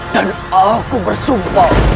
dan aku bersumpah